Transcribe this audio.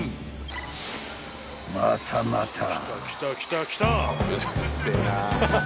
［またまた］